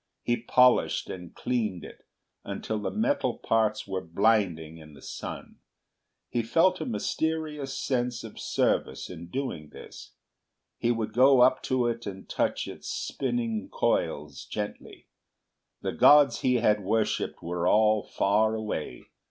He polished and cleaned it until the metal parts were blinding in the sun. He felt a mysterious sense of service in doing this. He would go up to it and touch its spinning coils gently. The gods he had worshipped were all far away.